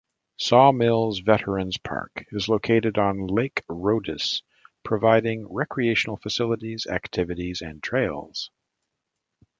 Sawmills Veterans Park is located on Lake Rhodiss, providing recreational facilities, activities and trails.